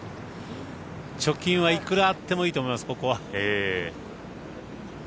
貯金はいくらあってもいいと思います、きょうは。